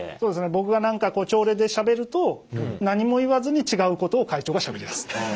僕が何かこう朝礼でしゃべると何も言わずに違うことを会長がしゃべりだす。